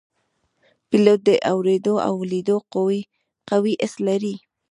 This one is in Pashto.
پیلوټ د اوریدو او لیدو قوي حس لري.